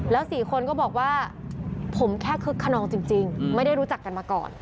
แล้ว๔คนก็บอกว่าผมแค่คึกขนองจริงไม่ได้รู้จักกันมาก่อน